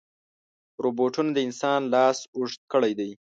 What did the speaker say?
روبوټونه د انسان لاس اوږد کړی دی.